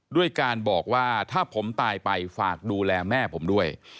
ด้วยการบอกว่าถ้าผมตายไปฝากดูแลแม่ผมด้วย